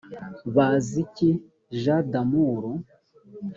baziki jean d amour